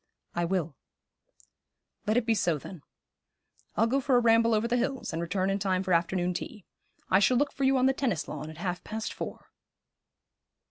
'I will.' 'Let it be so, then. I'll go for a ramble over the hills, and return in time for afternoon tea. I shall look for you on the tennis lawn at half past four.'